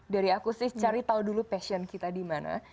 dari aku sih cari tahu dulu passion kita dimana